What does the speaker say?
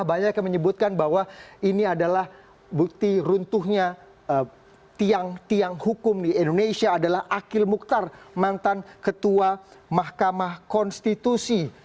banyak yang menyebutkan bahwa ini adalah bukti runtuhnya tiang tiang hukum di indonesia adalah akil mukhtar mantan ketua mahkamah konstitusi